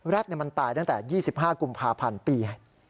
แร็ดมันตายตั้งแต่๒๕กุมภาพันธุ์ปี๕๕